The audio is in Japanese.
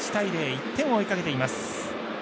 １点を追いかけています。